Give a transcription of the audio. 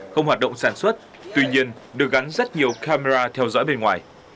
không hoạt động sản xuất tuy nhiên được gắn rất nhiều camera theo dõi bên ngoài